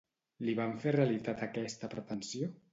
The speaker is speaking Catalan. Li van fer realitat aquesta pretensió?